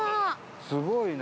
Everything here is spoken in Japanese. すごいな。